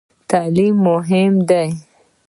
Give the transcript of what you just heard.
تعلیم مهم دی؟